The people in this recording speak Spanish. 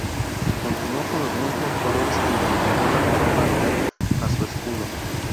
Continuó con los mismos colores e incorporó la corona real a su escudo.